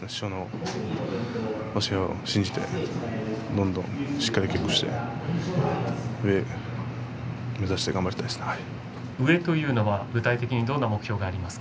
教えを信じてどんどんしっかりと稽古をして上を目指して頑張りたいと思います。